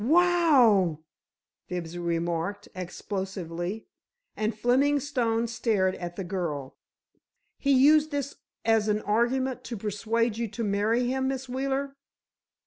"Wow!" Fibsy remarked, explosively, and Fleming Stone stared at the girl. "He used this as an argument to persuade you to marry him, Miss Wheeler?"